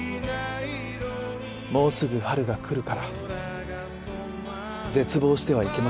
「もうすぐ春が来るから絶望してはいけませんよ」。